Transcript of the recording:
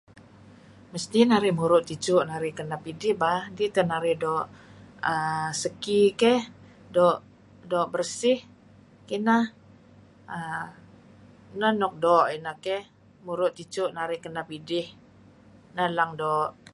Mesti n arih muru' ticu' narih kenep iidih bah dih teh narih doo' segki keh. Doo' bersih kineh neh nuk doo' keh. Muru' ticu' narih kanep idih neh nuk doo'.